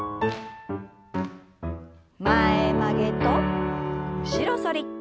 前曲げと後ろ反り。